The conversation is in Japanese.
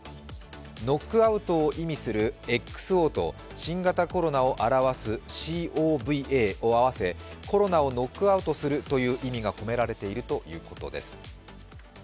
ノックアウトを意味するＸＯと新型コロナを表すＣＯＶＡを合わせコロナをノックアウトするという意味が込められているということです。